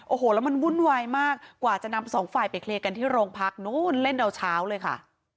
โอ้โหแล้วมันวุ่นวายมากกว่าจะนำสองฝ่ายไปเคลียร์กันที่โรงพักนู้นเล่นเอาเช้าเลยค่ะ